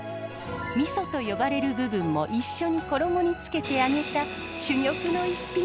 ミソと呼ばれる部分も一緒に衣につけて揚げた珠玉の逸品です。